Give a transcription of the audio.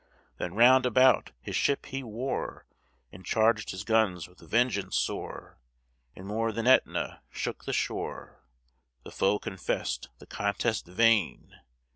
Then, round about, his ship he wore, And charged his guns with vengeance sore, And more than Etna shook the shore The foe confessed the contest vain.